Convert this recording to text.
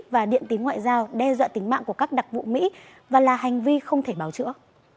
và điện tín ngoại giao đe dọa tính mạng của các đặc vụ mỹ và là hành vi không thể báo chữa